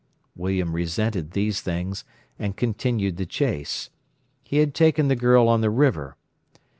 William resented these things, and continued the chase. He had taken the girl on the river.